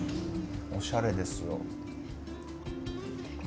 おしゃれですよ。